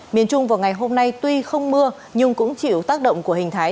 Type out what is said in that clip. miền trung vào ngày hôm nay tuy không mưa nhưng cũng chịu tác động của hình thái